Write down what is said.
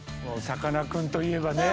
さかなクンといえばね。